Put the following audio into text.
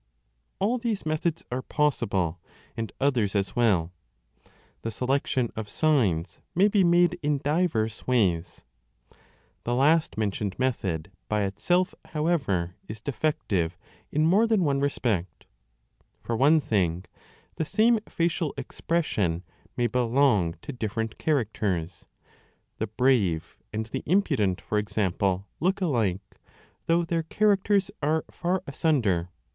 All these methods are possible, and others as well : the selection of signs may be made in diverse ways. The last mentioned method by itself, however, is defective in more than one respect. For one thing, the same facial expression may belong to different characters : the brave and the impudent, for example, look alike, though their characters are far asunder.